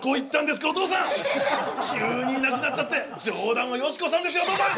急にいなくなっちゃって冗談はヨシコさんですよお父さん！